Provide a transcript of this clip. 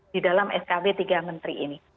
di dalam skb tiga menteri ini